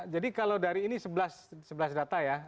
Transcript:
jadi kalau dari ini sebelas data ya